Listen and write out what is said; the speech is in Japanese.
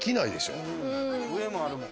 うん上もあるもん。